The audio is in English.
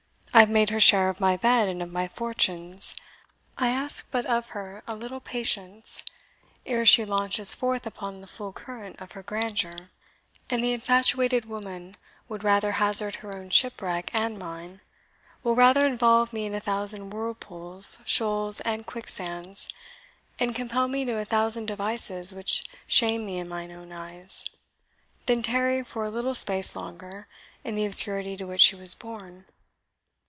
I have made her sharer of my bed and of my fortunes. I ask but of her a little patience, ere she launches forth upon the full current of her grandeur; and the infatuated woman will rather hazard her own shipwreck and mine will rather involve me in a thousand whirlpools, shoals, and quicksands, and compel me to a thousand devices which shame me in mine own eyes than tarry for a little space longer in the obscurity to which she was born.